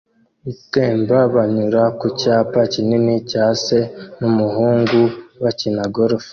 itemba banyura ku cyapa kinini cya se n'umuhungu bakina golf